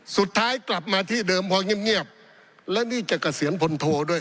สุดท้ายกลับมาที่เดิมพอเงียบและนี่จะเกษียณพลโทด้วย